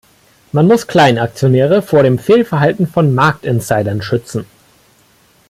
Man muss Kleinaktionäre vor dem Fehlverhalten von Markt-Insidern schützen.